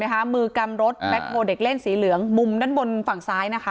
มือกำรถแบ็คโฮเด็กเล่นสีเหลืองมุมด้านบนฝั่งซ้ายนะคะ